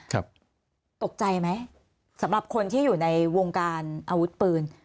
ตกใจไหมสำหรับคนที่อยู่ในวงการอาวุธปืน